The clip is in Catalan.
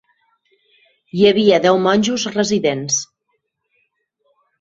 Hi havia deu monjos residents.